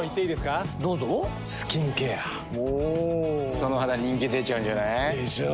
その肌人気出ちゃうんじゃない？でしょう。